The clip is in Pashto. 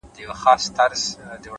مثبت انسان د ستونزو تر شا فرصت ویني,